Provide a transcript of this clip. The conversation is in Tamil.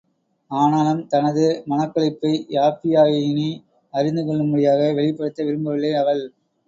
ஆனாலும் தனது மனக்களிப்பை யாப்பியாயினி அறிந்து கொள்ளும்படியாக வெளிப்படுத்த விரும்பவில்லை அவள்.